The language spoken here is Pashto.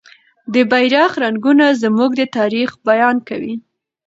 د بیرغ رنګونه زموږ د تاریخ بیان کوي.